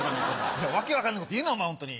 いや訳分かんないこと言うなお前ホントに。